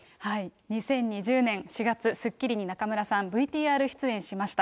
２０２０年４月、スッキリに中村さん、ＶＴＲ出演しました。